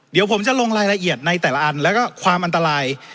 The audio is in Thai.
เดี๋ยวผมจะลงรายละเอียดในแต่ละอันแล้วก็ความอันตราย